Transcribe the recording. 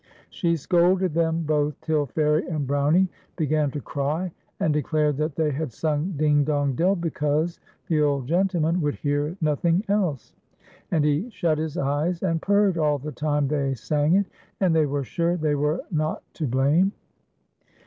She scolded them both till Fairie and Brownie began to cry, and declared that tliey had sung "Ding, dong, dell" because the old gentleman would hear no thing else, and he shut his eyes and purred all the time they sang it, and they were sure they were not to blame. FAIRIE AND BROWNIE.